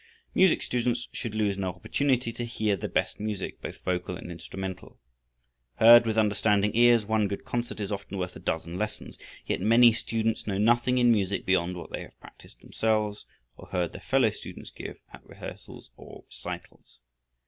Music students should lose no opportunity to hear the best music, both vocal and instrumental. Heard with understanding ears one good concert is often worth a dozen lessons, yet many students know nothing in music beyond what they have practiced themselves, or heard their fellow students give at rehearsals or recitals.